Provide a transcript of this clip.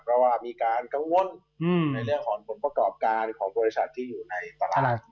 เพราะว่ามีการกังวลในเรื่องของผลประกอบการของบริษัทที่อยู่ในตลาด